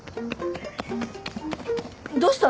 どうした？